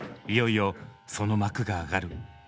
いよいよその幕が上がる。